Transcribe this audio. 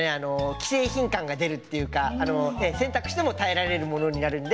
既製品感が出るっていうか洗濯しても耐えられるものになるんで。